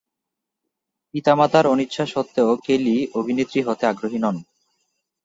পিতামাতার অনিচ্ছা সত্ত্বেও কেলি অভিনেত্রী হতে আগ্রহী হন।